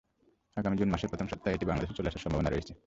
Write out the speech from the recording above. আগামী জুন মাসের প্রথম সপ্তাহে এটি বাংলাদেশে চলে আসার সম্ভাবনা রয়েছে।